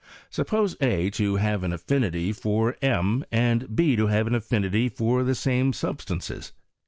Suppose a to have an affinity for m, and b to have an affinity for the same substances.